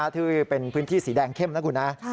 ที่เป็นพื้นที่สีแดงเข้มนะคุณนะ